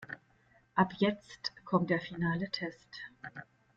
Aber jetzt kommt der finale Test.